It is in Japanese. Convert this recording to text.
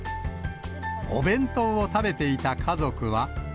お弁当を食べていた家族は。